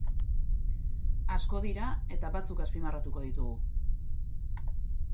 Asko dira eta batzuk azpimarratuko ditugu.